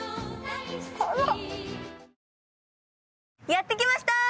やってきました！